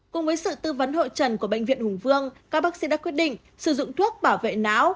cùng với sự tư vấn hội trần của bệnh viện hùng vương các bác sĩ đã quyết định sử dụng thuốc bảo vệ não